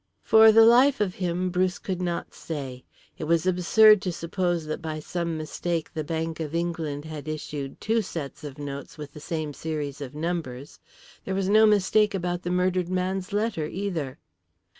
For the life of him Bruce could not say. It was absurd to suppose that by some mistake the Bank of England had issued two sets of notes of the same series of numbers. There was no mistake about the murdered man's letter either.